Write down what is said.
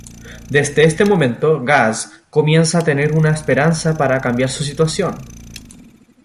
Desde este momento, Gaz comienza a tener una esperanza para cambiar su situación.